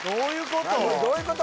これどういうこと？